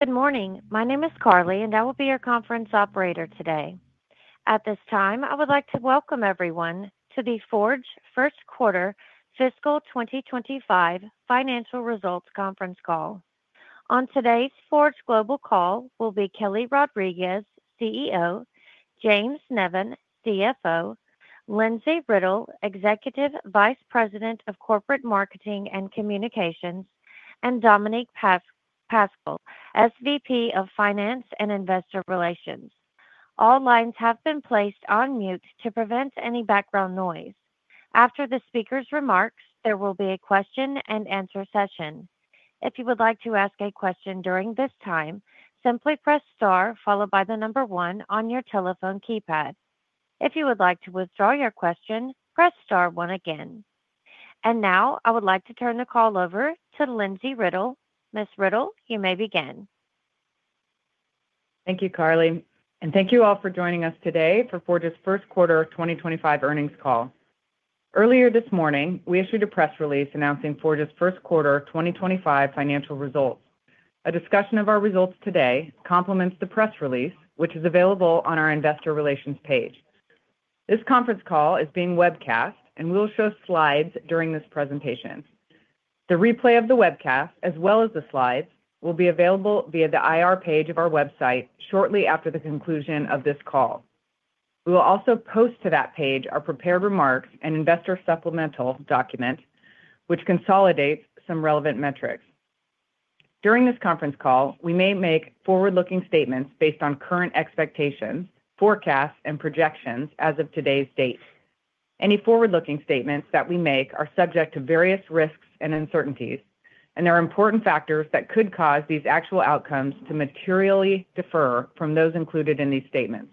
Good morning. My name is Carly, and I will be your conference operator today. At this time, I would like to welcome everyone to the Forge first quarter fiscal 2025 financial results conference call. On today's Forge Global call will be Kelly Rodriques, CEO; James Nevin, CFO; Lindsay Riddell, Executive Vice President of Corporate Marketing and Communications; and Dominic Paschel, SVP of Finance and Investor Relations. All lines have been placed on mute to prevent any background noise. After the speaker's remarks, there will be a question-and-answer session. If you would like to ask a question during this time, simply press star followed by the number one on your telephone keypad. If you would like to withdraw your question, press star one again. I would like to turn the call over to Lindsay Riddell. Ms. Riddell, you may begin. Thank you, Carly. Thank you all for joining us today for Forge's First Quarter 2025 Earnings Call. Earlier this morning, we issued a press release announcing Forge's First Quarter 2025 financial results. A discussion of our results today complements the press release, which is available on our Investor Relations page. This conference call is being webcast, and we will show slides during this presentation. The replay of the webcast, as well as the slides, will be available via the IR page of our website shortly after the conclusion of this call. We will also post to that page our prepared remarks and investor supplemental document, which consolidates some relevant metrics. During this conference call, we may make forward-looking statements based on current expectations, forecasts, and projections as of today's date. Any forward-looking statements that we make are subject to various risks and uncertainties, and there are important factors that could cause these actual outcomes to materially differ from those included in these statements.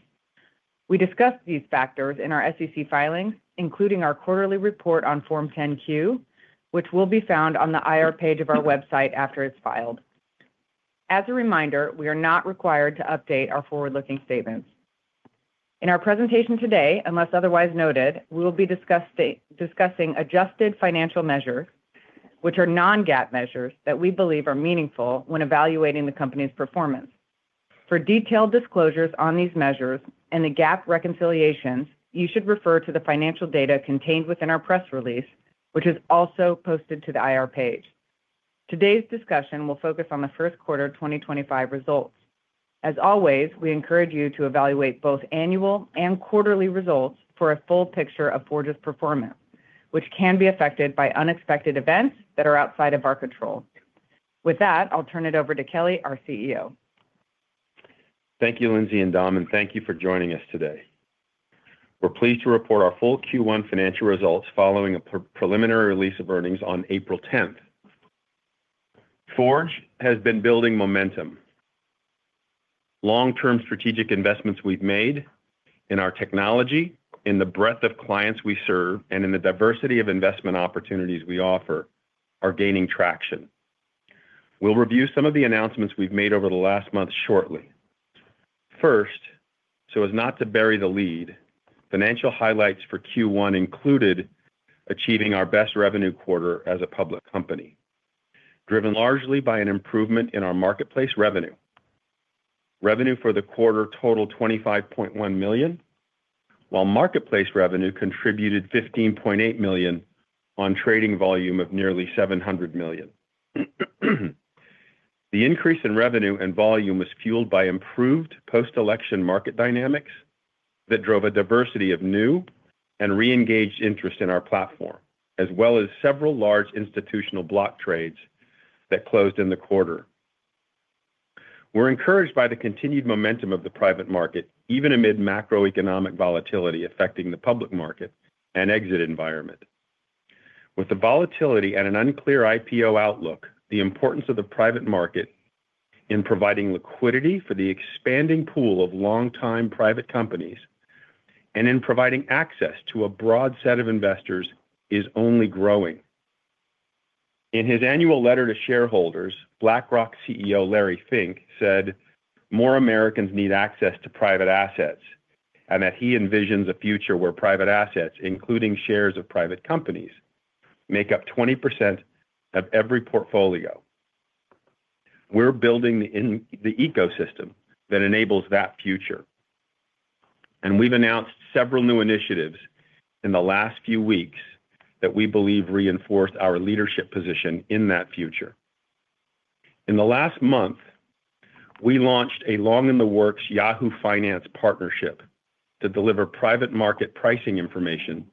We discussed these factors in our SEC filings, including our quarterly report on Form 10-Q, which will be found on the IR page of our website after it's filed. As a reminder, we are not required to update our forward-looking statements. In our presentation today, unless otherwise noted, we will be discussing adjusted financial measures, which are non-GAAP measures that we believe are meaningful when evaluating the company's performance. For detailed disclosures on these measures and the GAAP reconciliations, you should refer to the financial data contained within our press release, which is also posted to the IR page. Today's discussion will focus on the first quarter 2025 results. As always, we encourage you to evaluate both annual and quarterly results for a full picture of Forge's performance, which can be affected by unexpected events that are outside of our control. With that, I'll turn it over to Kelly, our CEO. Thank you, Lindsay and Dom, and thank you for joining us today. We're pleased to report our full Q1 financial results following a preliminary release of earnings on April 10th. Forge has been building momentum. Long-term strategic investments we've made in our technology, in the breadth of clients we serve, and in the diversity of investment opportunities we offer are gaining traction. We'll review some of the announcements we've made over the last month shortly. First, so as not to bury the lead, financial highlights for Q1 included achieving our best revenue quarter as a public company, driven largely by an improvement in our marketplace revenue. Revenue for the quarter totaled $25.1 million, while marketplace revenue contributed $15.8 million on trading volume of nearly $700 million. The increase in revenue and volume was fueled by improved post-election market dynamics that drove a diversity of new and re-engaged interest in our platform, as well as several large institutional block trades that closed in the quarter. We're encouraged by the continued momentum of the private market, even amid macroeconomic volatility affecting the public market and exit environment. With the volatility and an unclear IPO outlook, the importance of the private market in providing liquidity for the expanding pool of long-time private companies and in providing access to a broad set of investors is only growing. In his annual letter to shareholders, BlackRock CEO Larry Fink said more Americans need access to private assets and that he envisions a future where private assets, including shares of private companies, make up 20% of every portfolio. We're building the ecosystem that enables that future. We have announced several new initiatives in the last few weeks that we believe reinforce our leadership position in that future. In the last month, we launched a long-in-the-works Yahoo Finance partnership to deliver private market pricing information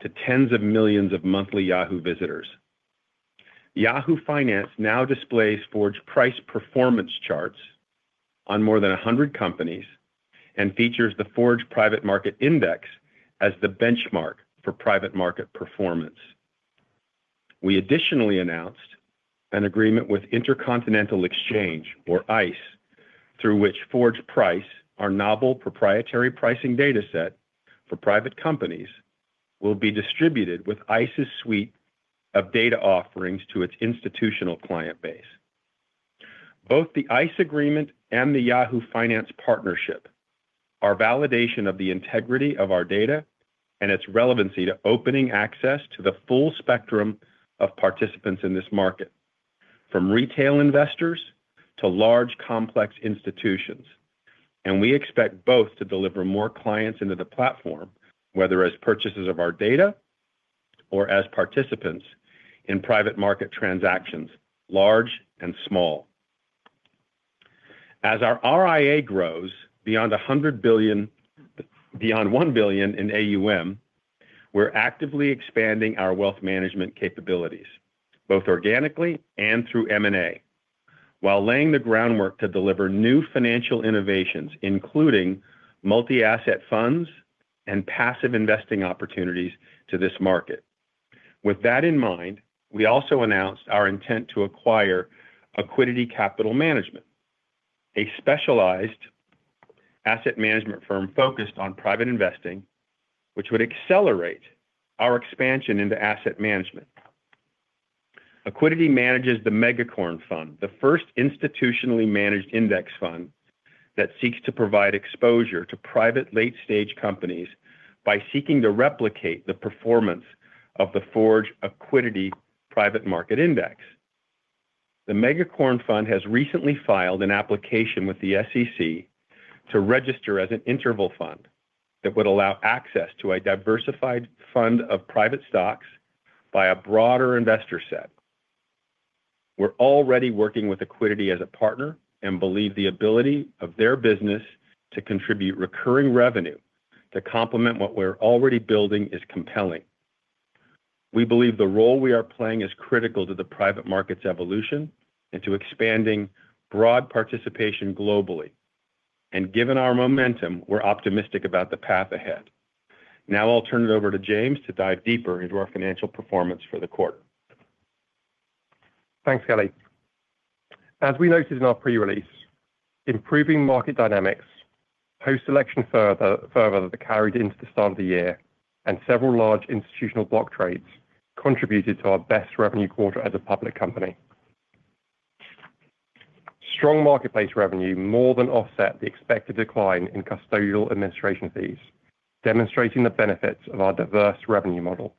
to tens of millions of monthly Yahoo visitors. Yahoo Finance now displays Forge Price performance charts on more than 100 companies and features the Forge Private Market Index as the benchmark for private market performance. We additionally announced an agreement with Intercontinental Exchange, or ICE, through which Forge Price, our novel proprietary pricing data set for private companies, will be distributed with ICE's suite of data offerings to its institutional client base. Both the ICE agreement and the Yahoo Finance partnership are validation of the integrity of our data and its relevancy to opening access to the full spectrum of participants in this market, from retail investors to large complex institutions. We expect both to deliver more clients into the platform, whether as purchasers of our data or as participants in private market transactions, large and small. As our RIA grows beyond $1 billion in AUM, we are actively expanding our wealth management capabilities, both organically and through M&A, while laying the groundwork to deliver new financial innovations, including multi-asset funds and passive investing opportunities to this market. With that in mind, we also announced our intent to acquire Equity Capital Management, a specialized asset management firm focused on private investing, which would accelerate our expansion into asset management. Equity manages the Megacorn Fund, the first institutionally managed index fund that seeks to provide exposure to private late-stage companies by seeking to replicate the performance of the Forge Private Market Index. The Megacorn Fund has recently filed an application with the SEC to register as an interval fund that would allow access to a diversified fund of private stocks by a broader investor set. We're already working with Equity as a partner and believe the ability of their business to contribute recurring revenue to complement what we're already building is compelling. We believe the role we are playing is critical to the private market's evolution and to expanding broad participation globally. Given our momentum, we're optimistic about the path ahead. Now I'll turn it over to James to dive deeper into our financial performance for the quarter. Thanks, Kelly. As we noted in our pre-release, improving market dynamics post-election further that carried into the start of the year, and several large institutional block trades contributed to our best revenue quarter as a public company. Strong marketplace revenue more than offset the expected decline in custodial administration fees, demonstrating the benefits of our diverse revenue model.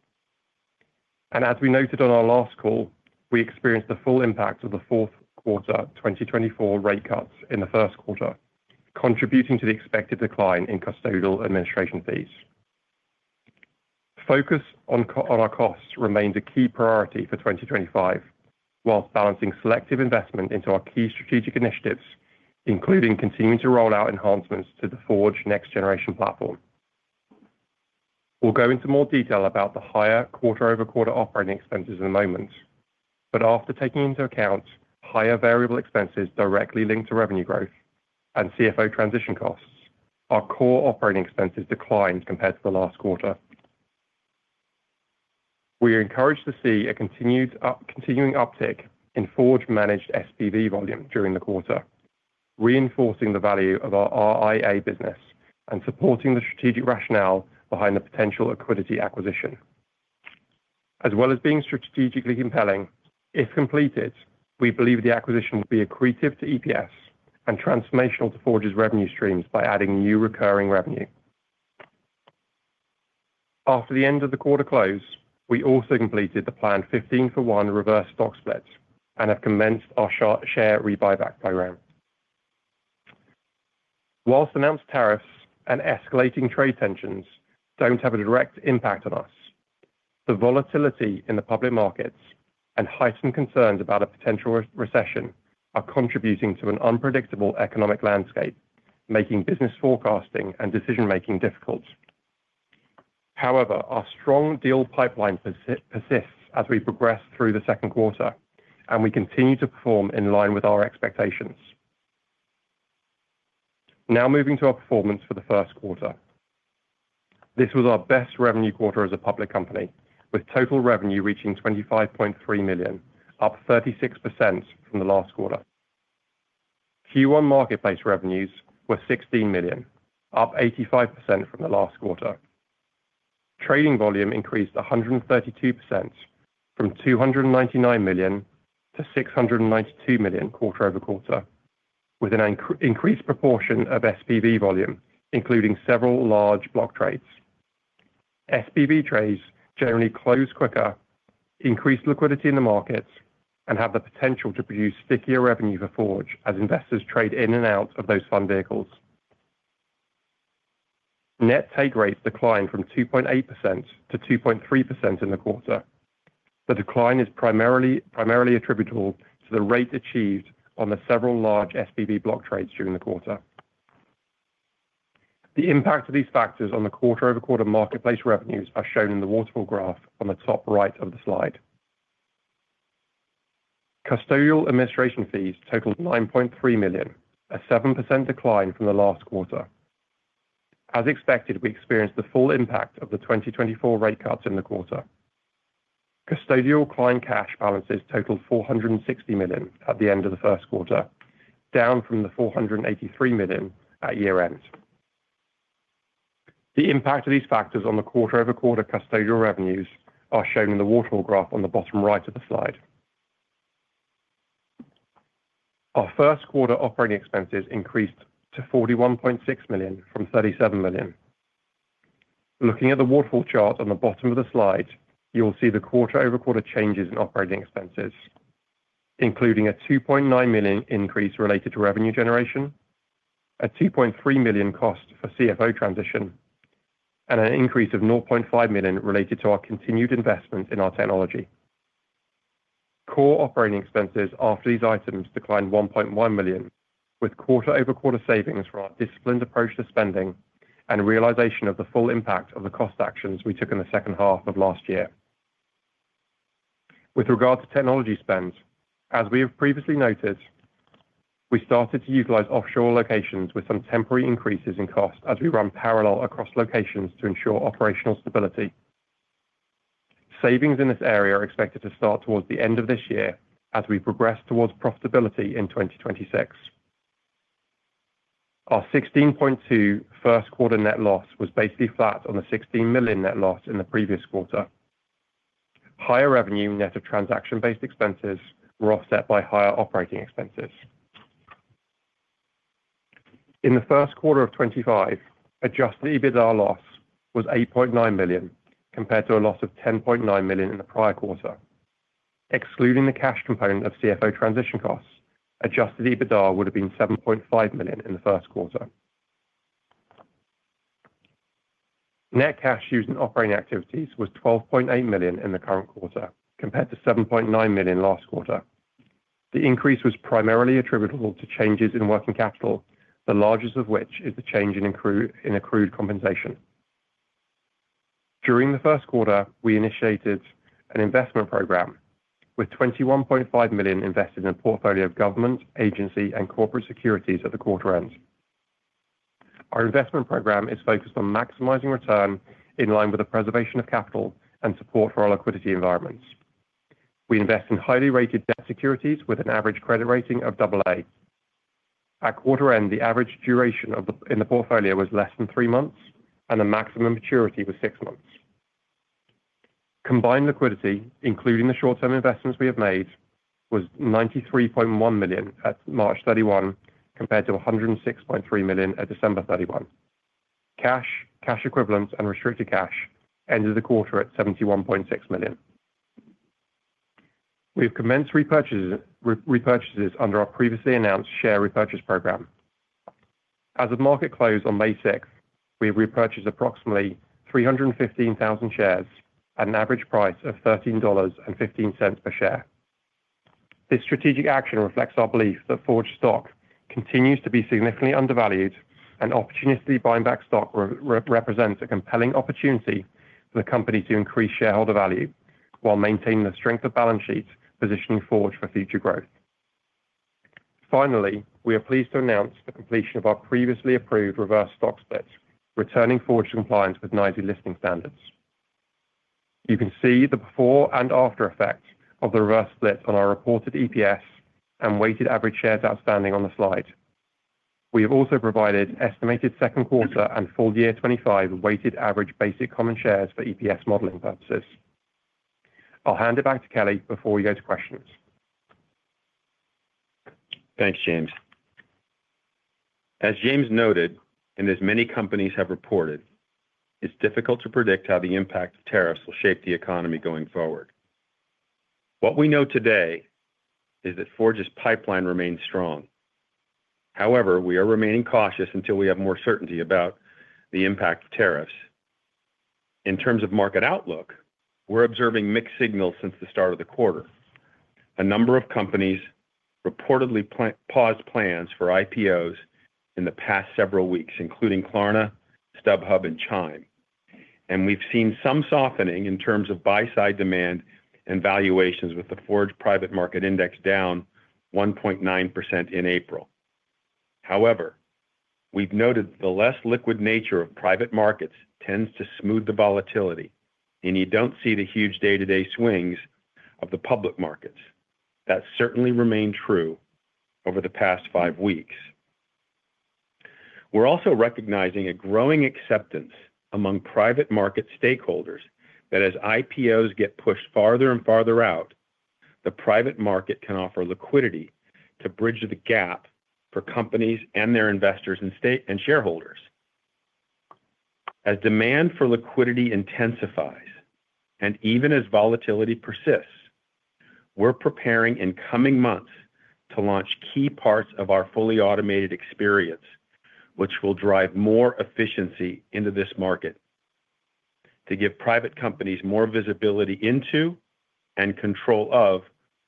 As we noted on our last call, we experienced the full impact of the fourth quarter 2024 rate cuts in the first quarter, contributing to the expected decline in custodial administration fees. Focus on our costs remains a key priority for 2025, whilst balancing selective investment into our key strategic initiatives, including continuing to roll out enhancements to the Forge Next Generation platform. We'll go into more detail about the higher quarter-over-quarter operating expenses in a moment, but after taking into account higher variable expenses directly linked to revenue growth and CFO transition costs, our core operating expenses declined compared to the last quarter. We are encouraged to see a continuing uptick in Forge-managed SPV volume during the quarter, reinforcing the value of our RIA business and supporting the strategic rationale behind the potential equity acquisition. As well as being strategically compelling, if completed, we believe the acquisition will be accretive to EPS and transformational to Forge's revenue streams by adding new recurring revenue. After the end of the quarter close, we also completed the planned 15-for-1 reverse stock split and have commenced our share buyback program. Whilst announced tariffs and escalating trade tensions do not have a direct impact on us, the volatility in the public markets and heightened concerns about a potential recession are contributing to an unpredictable economic landscape, making business forecasting and decision-making difficult. However, our strong deal pipeline persists as we progress through the second quarter, and we continue to perform in line with our expectations. Now moving to our performance for the first quarter. This was our best revenue quarter as a public company, with total revenue reaching $25.3 million, up 36% from the last quarter. Q1 marketplace revenues were $16 million, up 85% from the last quarter. Trading volume increased 132% from $299 million to $692 million quarter-over-quarter, with an increased proportion of SPV volume, including several large block trades. SPV trades generally close quicker, increase liquidity in the markets, and have the potential to produce stickier revenue for Forge as investors trade in and out of those fund vehicles. Net take rates declined from 2.8% to 2.3% in the quarter. The decline is primarily attributable to the rate achieved on the several large SPV block trades during the quarter. The impact of these factors on the quarter-over-quarter marketplace revenues are shown in the waterfall graph on the top right of the slide. Custodial administration fees totaled $9.3 million, a 7% decline from the last quarter. As expected, we experienced the full impact of the 2024 rate cuts in the quarter. Custodial client cash balances totaled $460 million at the end of the first quarter, down from the $483 million at year-end. The impact of these factors on the quarter-over-quarter custodial revenues are shown in the waterfall graph on the bottom right of the slide. Our first quarter operating expenses increased to $41.6 million from $37 million. Looking at the waterfall chart on the bottom of the slide, you'll see the quarter-over-quarter changes in operating expenses, including a $2.9 million increase related to revenue generation, a $2.3 million cost for CFO transition, and an increase of $0.5 million related to our continued investment in our technology. Core operating expenses after these items declined $1.1 million, with quarter-over-quarter savings from our disciplined approach to spending and realization of the full impact of the cost actions we took in the second half of last year. With regard to technology spend, as we have previously noted, we started to utilize offshore locations with some temporary increases in cost as we run parallel across locations to ensure operational stability. Savings in this area are expected to start towards the end of this year as we progress towards profitability in 2026. Our $16.2 million first quarter net loss was basically flat on the $16 million net loss in the previous quarter. Higher revenue net of transaction-based expenses were offset by higher operating expenses. In the first quarter of 2025, adjusted EBITDA loss was $8.9 million compared to a loss of $10.9 million in the prior quarter. Excluding the cash component of CFO transition costs, adjusted EBITDA would have been $7.5 million in the first quarter. Net cash used in operating activities was $12.8 million in the current quarter compared to $7.9 million last quarter. The increase was primarily attributable to changes in working capital, the largest of which is the change in accrued compensation. During the first quarter, we initiated an investment program with $21.5 million invested in a portfolio of government, agency, and corporate securities at the quarter end. Our investment program is focused on maximizing return in line with the preservation of capital and support for our liquidity environments. We invest in highly rated debt securities with an average credit rating of AA. At quarter end, the average duration in the portfolio was less than three months, and the maximum maturity was six months. Combined liquidity, including the short-term investments we have made, was $93.1 million at March 31 compared to $106.3 million at December 31. Cash, cash equivalents, and restricted cash ended the quarter at $71.6 million. We have commenced repurchases under our previously announced share repurchase program. As the market closed on May 6th, we have repurchased approximately 315,000 shares at an average price of $13.15 per share. This strategic action reflects our belief that Forge stock continues to be significantly undervalued, and opportunistically buying back stock represents a compelling opportunity for the company to increase shareholder value while maintaining the strength of balance sheets, positioning Forge for future growth. Finally, we are pleased to announce the completion of our previously approved reverse stock split, returning Forge to compliance with NYSE listing standards. You can see the before and after effect of the reverse split on our reported EPS and weighted average shares outstanding on the slide. We have also provided estimated second quarter and full year 2025 weighted average basic common shares for EPS modeling purposes. I'll hand it back to Kelly before we go to questions. Thanks, James. As James noted, and as many companies have reported, it's difficult to predict how the impact of tariffs will shape the economy going forward. What we know today is that Forge's pipeline remains strong. However, we are remaining cautious until we have more certainty about the impact of tariffs. In terms of market outlook, we're observing mixed signals since the start of the quarter. A number of companies reportedly paused plans for IPOs in the past several weeks, including Klarna, StubHub, and Chime. We've seen some softening in terms of buy-side demand and valuations, with the Forge Private Market Index down 1.9% in April. However, we've noted the less liquid nature of private markets tends to smooth the volatility, and you don't see the huge day-to-day swings of the public markets. That certainly remained true over the past five weeks. We're also recognizing a growing acceptance among private market stakeholders that as IPOs get pushed farther and farther out, the private market can offer liquidity to bridge the gap for companies and their investors and shareholders. As demand for liquidity intensifies and even as volatility persists, we're preparing in coming months to launch key parts of our fully automated experience, which will drive more efficiency into this market to give private companies more visibility into and control of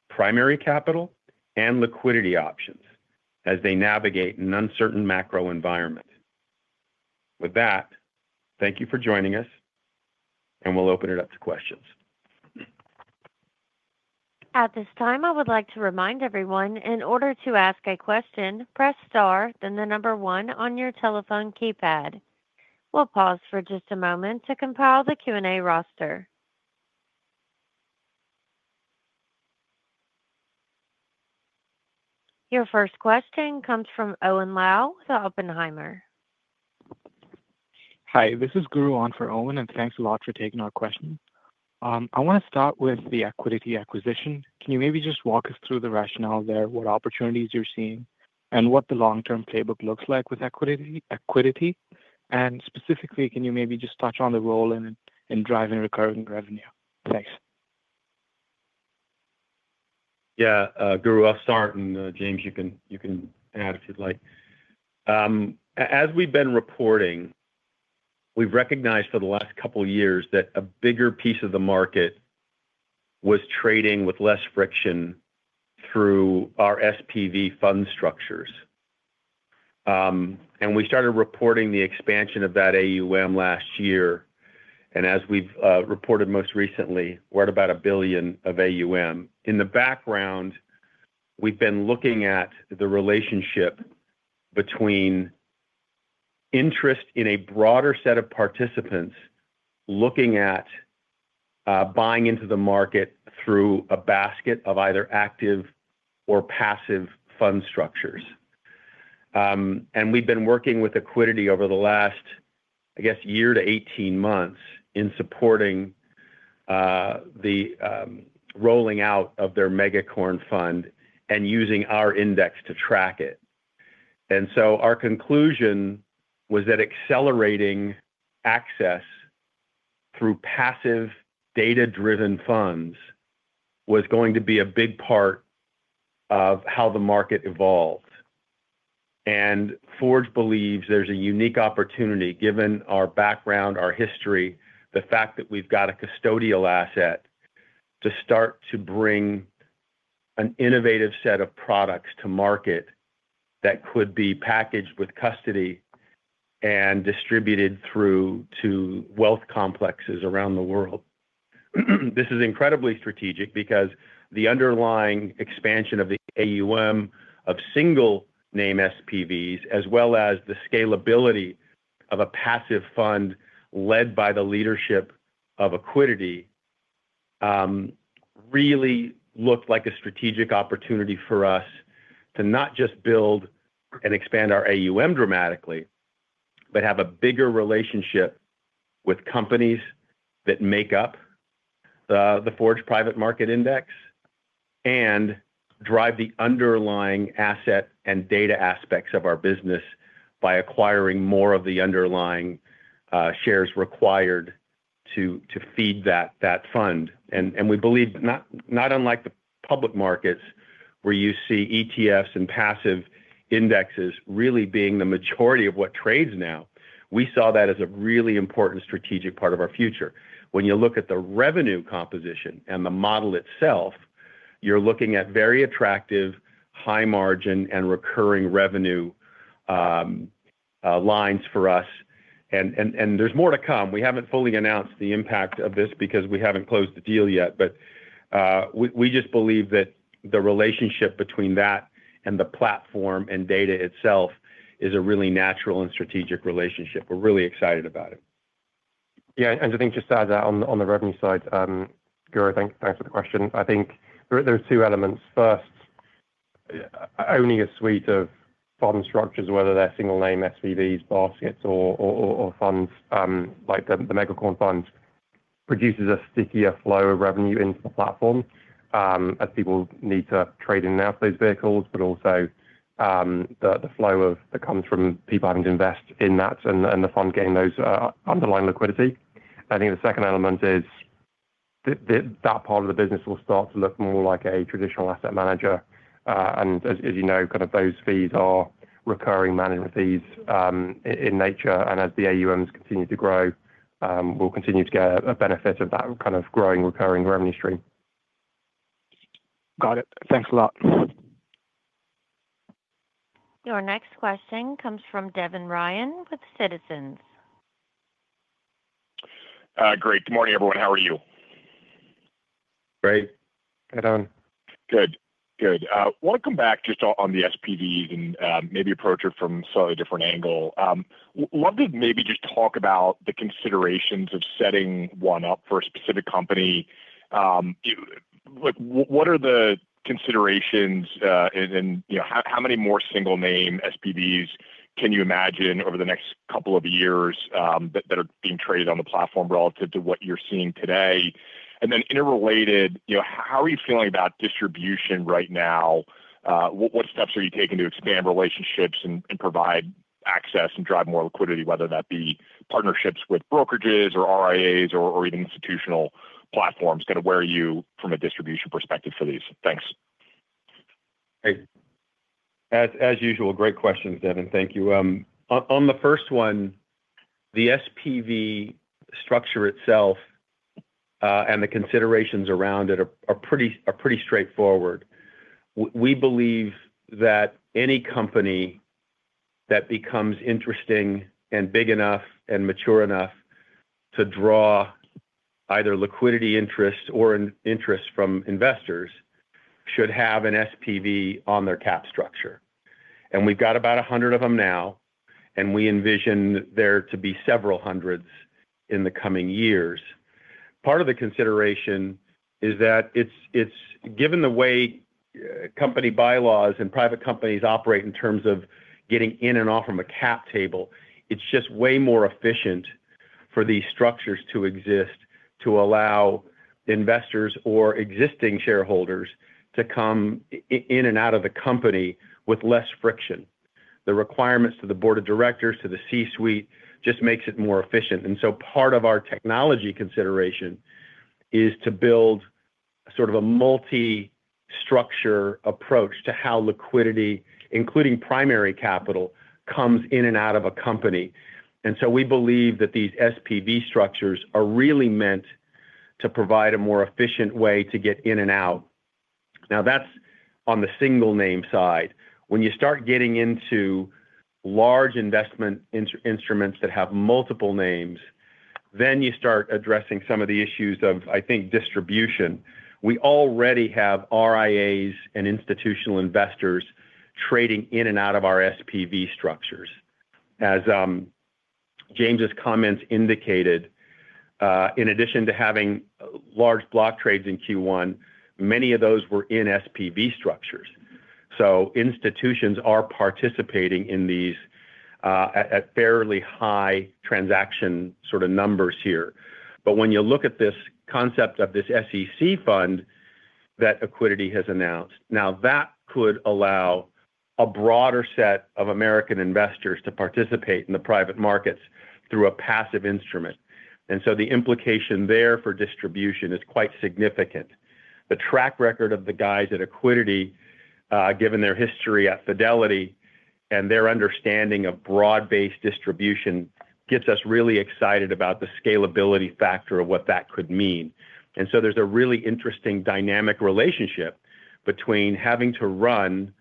primary capital and liquidity options as they navigate an uncertain macro environment. With that, thank you for joining us, and we'll open it up to questions. At this time, I would like to remind everyone, in order to ask a question, press star, then the number one on your telephone keypad. We'll pause for just a moment to compile the Q&A roster. Your first question comes from Owen Lau, the Oppenheimer. Hi, this is Guru On for Owen, and thanks a lot for taking our question. I want to start with the Equity acquisition. Can you maybe just walk us through the rationale there, what opportunities you're seeing, and what the long-term playbook looks like with Equity? Specifically, can you maybe just touch on the role in driving recurring revenue? Thanks. Yeah, Guru, I'll start, and James, you can add if you'd like. As we've been reporting, we've recognized for the last couple of years that a bigger piece of the market was trading with less friction through our SPV fund structures. We started reporting the expansion of that AUM last year, and as we've reported most recently, we're at about $1 billion of AUM. In the background, we've been looking at the relationship between interest in a broader set of participants looking at buying into the market through a basket of either active or passive fund structures. We've been working with Equity Capital Management over the last, I guess, year to 18 months in supporting the rolling out of their Megacorn Fund and using our index to track it. Our conclusion was that accelerating access through passive data-driven funds was going to be a big part of how the market evolved. Forge believes there's a unique opportunity, given our background, our history, the fact that we've got a custodial asset to start to bring an innovative set of products to market that could be packaged with custody and distributed through to wealth complexes around the world. This is incredibly strategic because the underlying expansion of the AUM of single-name SPVs, as well as the scalability of a passive fund led by the leadership of Equity Capital Management, really looked like a strategic opportunity for us to not just build and expand our AUM dramatically, but have a bigger relationship with companies that make up the Forge Private Market Index and drive the underlying asset and data aspects of our business by acquiring more of the underlying shares required to feed that fund. We believe, not unlike the public markets, where you see ETFs and passive indexes really being the majority of what trades now, we saw that as a really important strategic part of our future. When you look at the revenue composition and the model itself, you're looking at very attractive, high-margin and recurring revenue lines for us. There's more to come. We haven't fully announced the impact of this because we haven't closed the deal yet, but we just believe that the relationship between that and the platform and data itself is a really natural and strategic relationship. We're really excited about it. Yeah, and I think just to add that on the revenue side, Guru, thanks for the question. I think there are two elements. First, owning a suite of fund structures, whether they're single-name SPVs, baskets, or funds like the Megacorn Fund, produces a stickier flow of revenue into the platform as people need to trade in and out of those vehicles, but also the flow that comes from people having to invest in that and the fund getting those underlying liquidity. I think the second element is that part of the business will start to look more like a traditional asset manager. As you know, kind of those fees are recurring management fees in nature. As the AUMs continue to grow, we'll continue to get a benefit of that kind of growing recurring revenue stream. Got it. Thanks a lot. Your next question comes from Devin Ryan with Citizens. Great. Good morning, everyone. How are you? Great. Head on. Good. Good. Want to come back just on the SPVs and maybe approach it from a slightly different angle. Love to maybe just talk about the considerations of setting one up for a specific company. What are the considerations, and how many more single-name SPVs can you imagine over the next couple of years that are being traded on the platform relative to what you're seeing today? Interrelated, how are you feeling about distribution right now? What steps are you taking to expand relationships and provide access and drive more liquidity, whether that be partnerships with brokerages or RIAs or even institutional platforms? Kind of where are you from a distribution perspective for these? Thanks. Hey. As usual, great questions, Devin. Thank you. On the first one, the SPV structure itself and the considerations around it are pretty straightforward. We believe that any company that becomes interesting and big enough and mature enough to draw either liquidity interest or interest from investors should have an SPV on their cap structure. We've got about 100 of them now, and we envision there to be several hundreds in the coming years. Part of the consideration is that given the way company bylaws and private companies operate in terms of getting in and off from a cap table, it's just way more efficient for these structures to exist to allow investors or existing shareholders to come in and out of the company with less friction. The requirements to the board of directors, to the C-suite, just makes it more efficient. Part of our technology consideration is to build sort of a multi-structure approach to how liquidity, including primary capital, comes in and out of a company. We believe that these SPV structures are really meant to provide a more efficient way to get in and out. Now, that's on the single-name side. When you start getting into large investment instruments that have multiple names, then you start addressing some of the issues of, I think, distribution. We already have RIAs and institutional investors trading in and out of our SPV structures. As James' comments indicated, in addition to having large block trades in Q1, many of those were in SPV structures. Institutions are participating in these at fairly high transaction sort of numbers here. When you look at this concept of this SEC fund that Equity has announced, now that could allow a broader set of American investors to participate in the private markets through a passive instrument. The implication there for distribution is quite significant. The track record of the guys at Equity, given their history at Fidelity and their understanding of broad-based distribution, gets us really excited about the scalability factor of what that could mean. There is a really interesting dynamic relationship between having to run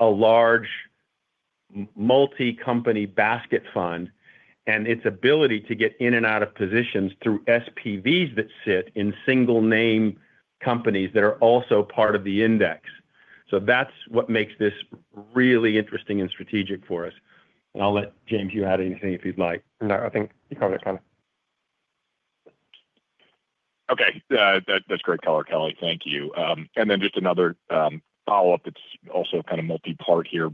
a large multi-company basket fund and its ability to get in and out of positions through SPVs that sit in single-name companies that are also part of the index. That is what makes this really interesting and strategic for us. I'll let James, you add anything if you'd like. No, I think you covered it, Kelly. Okay. That's great color, Kelly. Thank you. Just another follow-up that's also kind of multi-part here.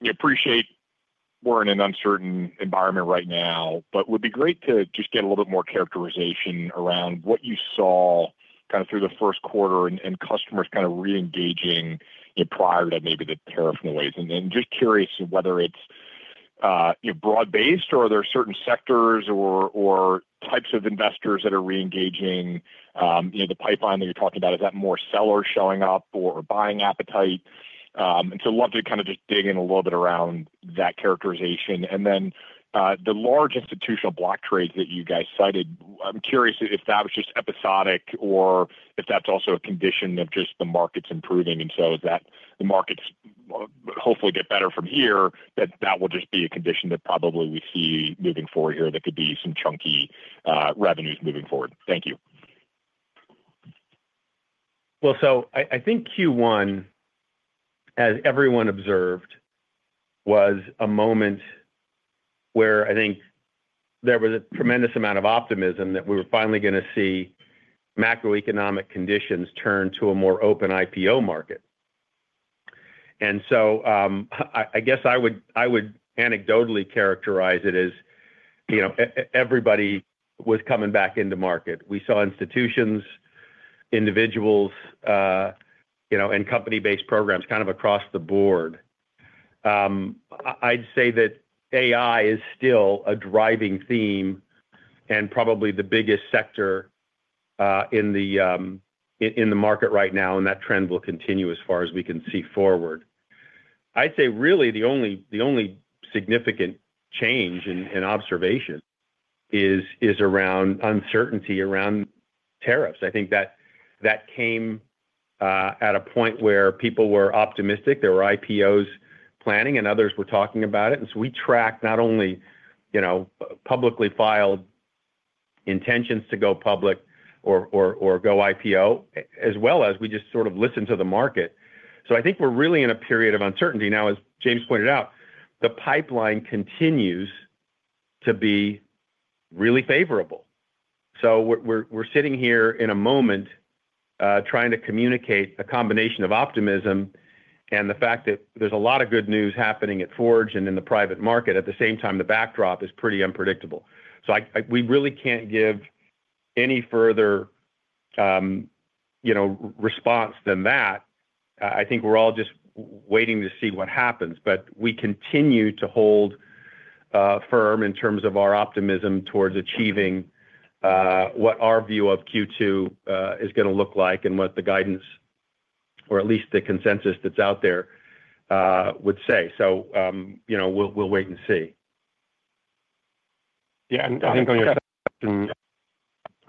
We appreciate we're in an uncertain environment right now, but it would be great to just get a little bit more characterization around what you saw kind of through the first quarter and customers kind of re-engaging prior to maybe the tariff noise. Just curious whether it's broad-based or are there certain sectors or types of investors that are re-engaging the pipeline that you're talking about. Is that more sellers showing up or buying appetite? I'd love to kind of just dig in a little bit around that characterization. The large institutional block trades that you guys cited, I'm curious if that was just episodic or if that's also a condition of just the markets improving. As the markets hopefully get better from here, that will just be a condition that probably we see moving forward here that could be some chunky revenues moving forward. Thank you. I think Q1, as everyone observed, was a moment where I think there was a tremendous amount of optimism that we were finally going to see macroeconomic conditions turn to a more open IPO market. I guess I would anecdotally characterize it as everybody was coming back into market. We saw institutions, individuals, and company-based programs kind of across the board. I'd say that AI is still a driving theme and probably the biggest sector in the market right now, and that trend will continue as far as we can see forward. I'd say really the only significant change in observation is around uncertainty around tariffs. I think that came at a point where people were optimistic. There were IPOs planning, and others were talking about it. We track not only publicly filed intentions to go public or go IPO, as well as we just sort of listen to the market. I think we're really in a period of uncertainty. As James pointed out, the pipeline continues to be really favorable. We're sitting here in a moment trying to communicate a combination of optimism and the fact that there's a lot of good news happening at Forge and in the private market. At the same time, the backdrop is pretty unpredictable. We really can't give any further response than that. I think we're all just waiting to see what happens, but we continue to hold firm in terms of our optimism towards achieving what our view of Q2 is going to look like and what the guidance, or at least the consensus that's out there, would say. We'll wait and see. Yeah. I think on your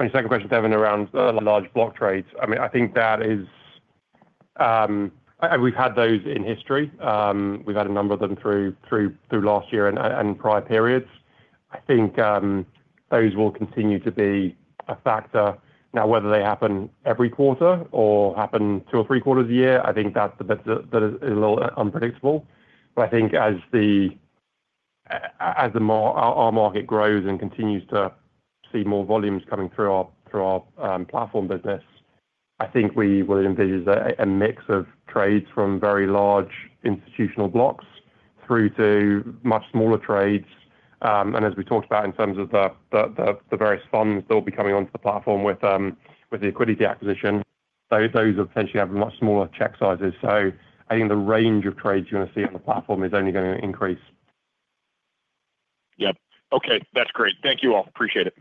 second question, Devin, around large block trades, I mean, I think that is, we've had those in history. We've had a number of them through last year and prior periods. I think those will continue to be a factor. Now, whether they happen every quarter or happen two or three quarters a year, I think that's a little unpredictable. I think as our market grows and continues to see more volumes coming through our platform business, we will envisage a mix of trades from very large institutional blocks through to much smaller trades. As we talked about in terms of the various funds that will be coming onto the platform with the Equity Capital Management acquisition, those will potentially have much smaller check sizes. I think the range of trades you're going to see on the platform is only going to increase. Yep. Okay. That's great. Thank you all. Appreciate it.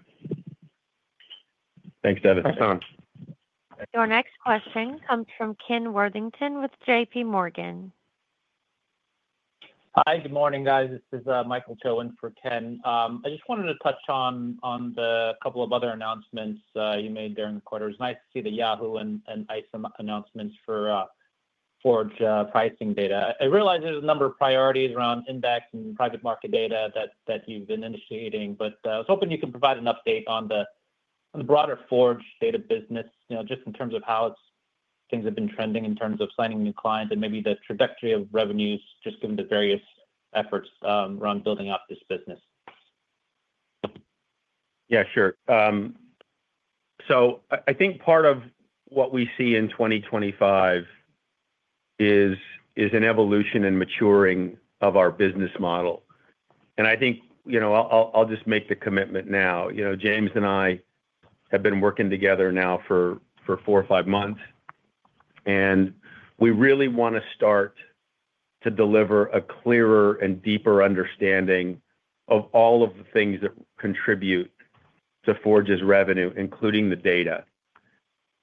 Thanks, Devin. Thanks, Devin. Your next question comes from Ken Worthington with JPMorgan. Hi. Good morning, guys. This is Michael Cho for Ken. I just wanted to touch on the couple of other announcements you made during the quarter. It was nice to see the Yahoo Finance and Intercontinental Exchange announcements for Forge pricing data. I realize there's a number of priorities around index and private market data that you've been initiating, but I was hoping you could provide an update on the broader Forge data business just in terms of how things have been trending in terms of signing new clients and maybe the trajectory of revenues just given the various efforts around building up this business. Yeah, sure. I think part of what we see in 2025 is an evolution and maturing of our business model. I think I'll just make the commitment now. James and I have been working together now for four or five months, and we really want to start to deliver a clearer and deeper understanding of all of the things that contribute to Forge's revenue, including the data.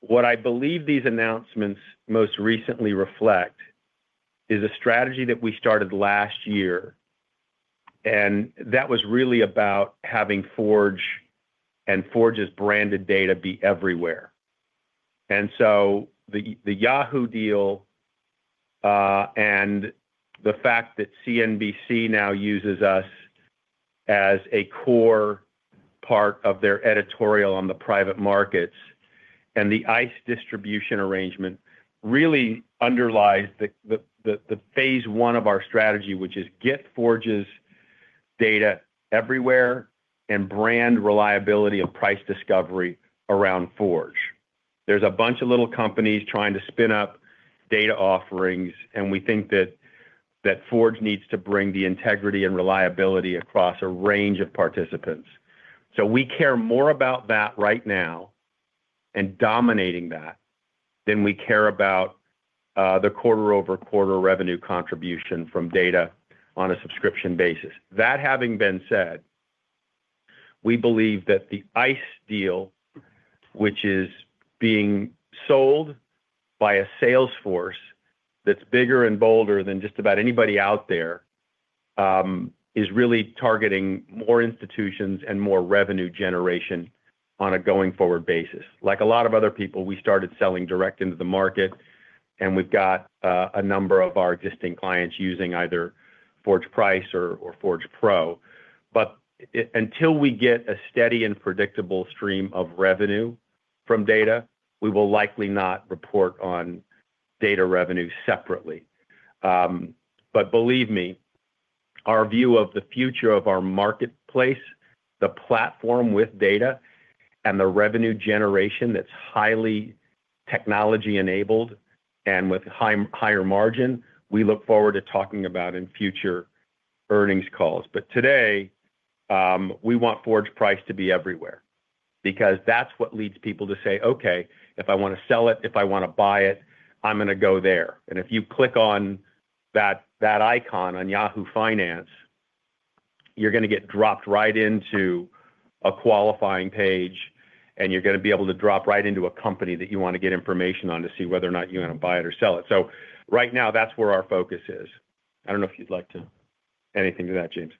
What I believe these announcements most recently reflect is a strategy that we started last year, and that was really about having Forge and Forge's branded data be everywhere. The Yahoo deal and the fact that CNBC now uses us as a core part of their editorial on the private markets and the Intercontinental Exchange distribution arrangement really underlies the phase one of our strategy, which is get Forge's data everywhere and brand reliability and price discovery around Forge. There's a bunch of little companies trying to spin up data offerings, and we think that Forge needs to bring the integrity and reliability across a range of participants. We care more about that right now and dominating that than we care about the quarter-over-quarter revenue contribution from data on a subscription basis. That having been said, we believe that the ICE deal, which is being sold by a salesforce that's bigger and bolder than just about anybody out there, is really targeting more institutions and more revenue generation on a going-forward basis. Like a lot of other people, we started selling direct into the market, and we've got a number of our existing clients using either Forge Price or Forge Pro. Until we get a steady and predictable stream of revenue from data, we will likely not report on data revenue separately. Believe me, our view of the future of our marketplace, the platform with data, and the revenue generation that's highly technology-enabled and with higher margin, we look forward to talking about in future earnings calls. Today, we want Forge Price to be everywhere because that's what leads people to say, "Okay, if I want to sell it, if I want to buy it, I'm going to go there." If you click on that icon on Yahoo Finance, you're going to get dropped right into a qualifying page, and you're going to be able to drop right into a company that you want to get information on to see whether or not you want to buy it or sell it. Right now, that's where our focus is. I don't know if you'd like to add anything to that, James.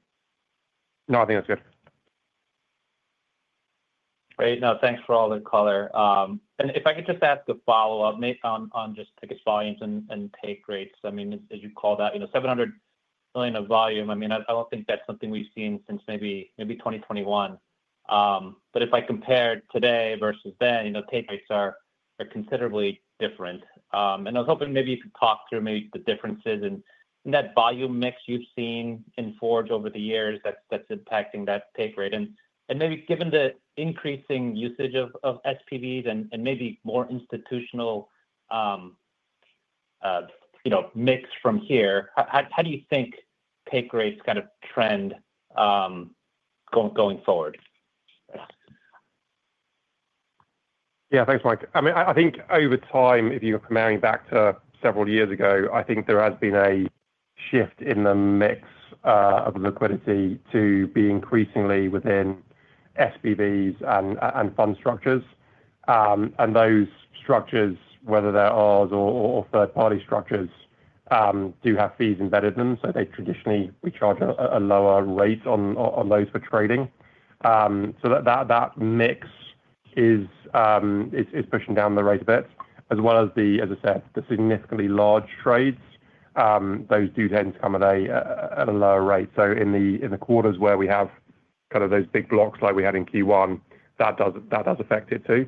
No, I think that's good. Great. No, thanks for all the color. If I could just add the follow-up on just ticket volumes and take rates. I mean, as you call that, $700 million of volume, I mean, I do not think that is something we have seen since maybe 2021. If I compare today versus then, take rates are considerably different. I was hoping maybe you could talk through maybe the differences in that volume mix you have seen in Forge over the years that is impacting that take rate. Maybe given the increasing usage of SPVs and maybe more institutional mix from here, how do you think take rates kind of trend going forward? Yeah, thanks, Mike. I mean, I think over time, if you're comparing back to several years ago, I think there has been a shift in the mix of liquidity to be increasingly within SPVs and fund structures. And those structures, whether they're ours or third-party structures, do have fees embedded in them. So they traditionally charge a lower rate on those for trading. That mix is pushing down the rate a bit, as well as, as I said, the significantly large trades. Those do tend to come at a lower rate. In the quarters where we have kind of those big blocks like we had in Q1, that does affect it too.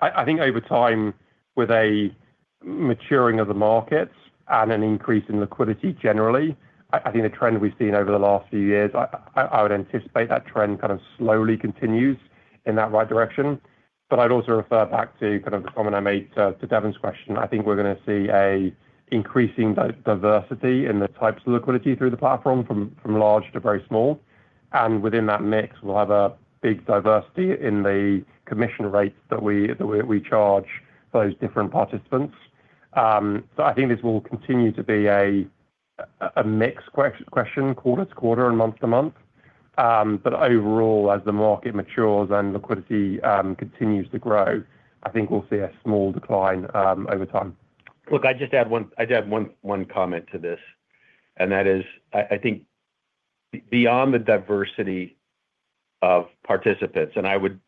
I think over time, with a maturing of the markets and an increase in liquidity generally, I think the trend we've seen over the last few years, I would anticipate that trend kind of slowly continues in that right direction. I would also refer back to kind of the comment I made to Devin's question. I think we're going to see an increasing diversity in the types of liquidity through the platform from large to very small. Within that mix, we'll have a big diversity in the commission rates that we charge those different participants. I think this will continue to be a mixed question, quarter to quarter and month to month. Overall, as the market matures and liquidity continues to grow, I think we'll see a small decline over time. Look, I just add one comment to this. That is, I think beyond the diversity of participants, and I would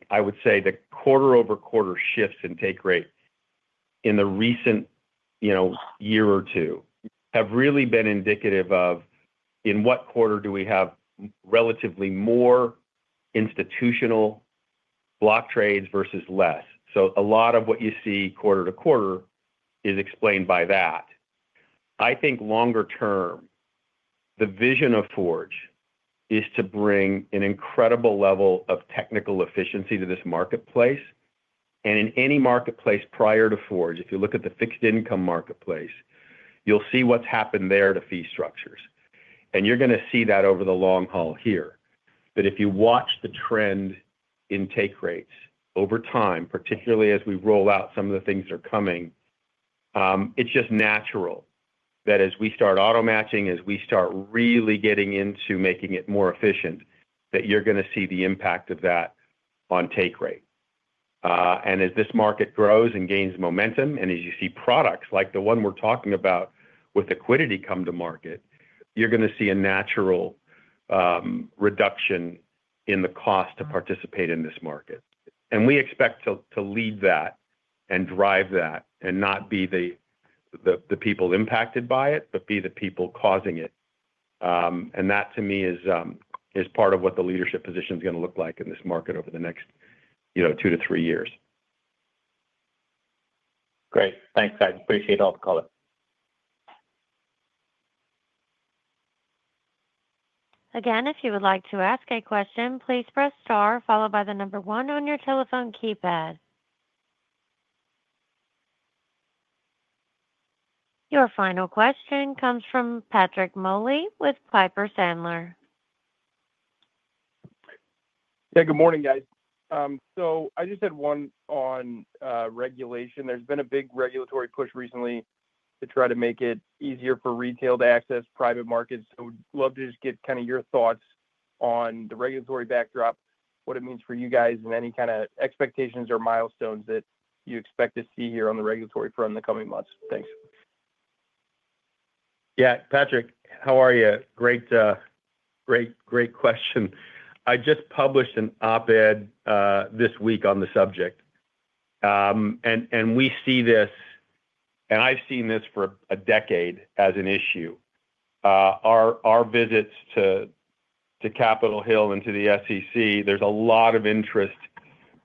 say the quarter-over-quarter shifts in take rate in the recent year or two have really been indicative of in what quarter do we have relatively more institutional block trades versus less. A lot of what you see quarter to quarter is explained by that. I think longer term, the vision of Forge is to bring an incredible level of technical efficiency to this marketplace. In any marketplace prior to Forge, if you look at the fixed income marketplace, you'll see what's happened there to fee structures. You're going to see that over the long haul here. If you watch the trend in take rates over time, particularly as we roll out some of the things that are coming, it's just natural that as we start auto matching, as we start really getting into making it more efficient, you're going to see the impact of that on take rate. As this market grows and gains momentum, and as you see products like the one we're talking about with liquidity come to market, you're going to see a natural reduction in the cost to participate in this market. We expect to lead that and drive that and not be the people impacted by it, but be the people causing it. That, to me, is part of what the leadership position is going to look like in this market over the next two to three years. Great. Thanks, guys. Appreciate all the color. Again, if you would like to ask a question, please press star followed by the number one on your telephone keypad. Your final question comes from Patrick Moley with Piper Sandler. Yeah, good morning, guys. I just had one on regulation. There's been a big regulatory push recently to try to make it easier for retail to access private markets. I'd love to just get kind of your thoughts on the regulatory backdrop, what it means for you guys, and any kind of expectations or milestones that you expect to see here on the regulatory front in the coming months. Thanks. Yeah. Patrick, how are you? Great question. I just published an op-ed this week on the subject. We see this, and I've seen this for a decade as an issue. Our visits to Capitol Hill and to the SEC, there's a lot of interest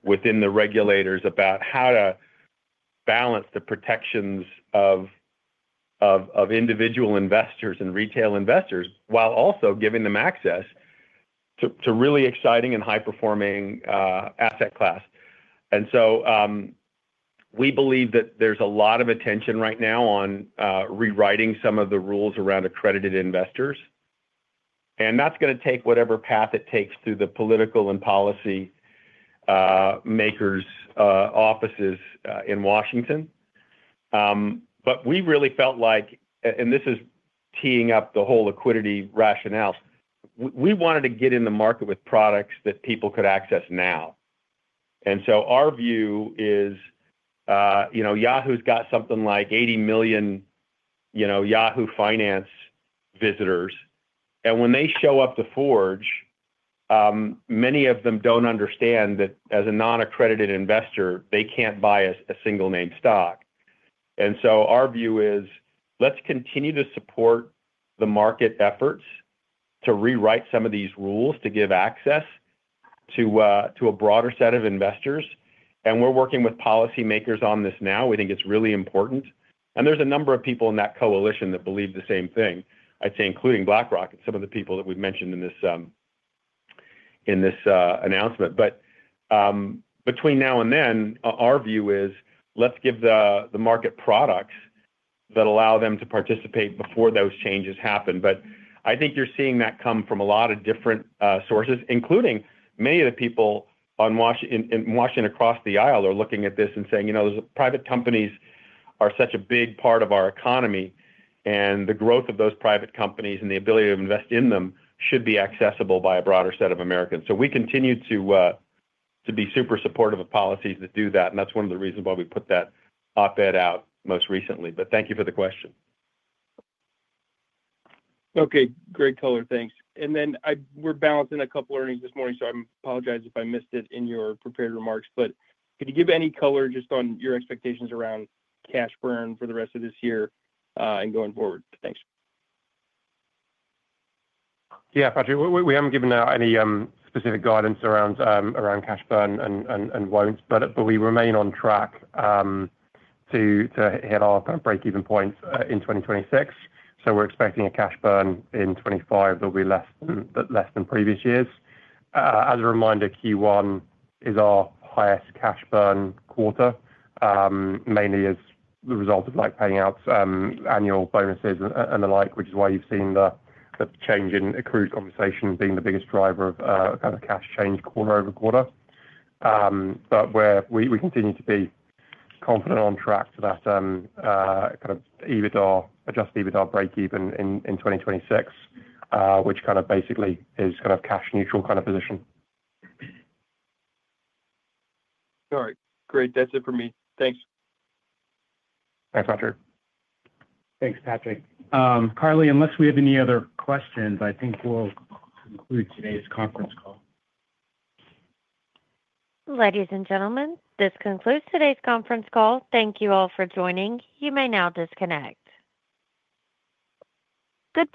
within the regulators about how to balance the protections of individual investors and retail investors while also giving them access to a really exciting and high-performing asset class. We believe that there's a lot of attention right now on rewriting some of the rules around accredited investors. That's going to take whatever path it takes through the political and policymakers' offices in Washington. We really felt like, and this is teeing up the whole liquidity rationale, we wanted to get in the market with products that people could access now. Our view is Yahoo's got something like 80 million Yahoo Finance visitors. When they show up to Forge, many of them do not understand that as a non-accredited investor, they cannot buy a single-name stock. Our view is, let's continue to support the market efforts to rewrite some of these rules to give access to a broader set of investors. We are working with policymakers on this now. We think it is really important. There are a number of people in that coalition that believe the same thing, including BlackRock and some of the people that we have mentioned in this announcement. Between now and then, our view is, let's give the market products that allow them to participate before those changes happen. I think you're seeing that come from a lot of different sources, including many of the people in Washington across the aisle are looking at this and saying, "Those private companies are such a big part of our economy, and the growth of those private companies and the ability to invest in them should be accessible by a broader set of Americans." We continue to be super supportive of policies that do that. That is one of the reasons why we put that op-ed out most recently. Thank you for the question. Okay. Great color. Thanks. We are balancing a couple of earnings this morning, so I apologize if I missed it in your prepared remarks. Could you give any color just on your expectations around cash burn for the rest of this year and going forward? Thanks. Yeah, Patrick, we haven't given out any specific guidance around cash burn and won't, but we remain on track to hit our break-even points in 2026. We're expecting a cash burn in 2025 that'll be less than previous years. As a reminder, Q1 is our highest cash burn quarter, mainly as the result of paying out annual bonuses and the like, which is why you've seen the change in accrued compensation being the biggest driver of kind of cash change quarter over quarter. We continue to be confident on track to that kind of adjusted EBITDA break-even in 2026, which kind of basically is kind of cash-neutral kind of position. All right. Great. That's it for me. Thanks. Thanks, Patrick. Thanks, Patrick. Carly, unless we have any other questions, I think we'll conclude today's conference call. Ladies and gentlemen, this concludes today's conference call. Thank you all for joining. You may now disconnect. Good bye.